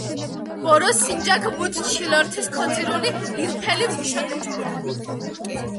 ბორო სინჯაქ მუთ ჩილორთის ქოძირუნი ირფელი მუშოთ უჩქუდუ